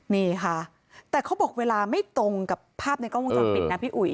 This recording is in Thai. นี่ค่ะแต่เขาบอกเวลาไม่ตรงกับภาพในกล้องวงจรปิดนะพี่อุ๋ย